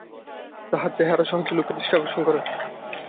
তাঁহার চেহারা সহজেই লোকের দৃষ্টি আকর্ষণ করে।